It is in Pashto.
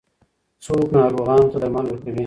څوک ناروغانو ته درمل ورکوي؟